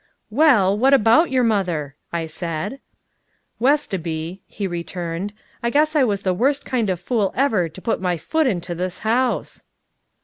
"Well, what about your mother?" I said. "Westoby," he returned, "I guess I was the worst kind of fool ever to put my foot into this house."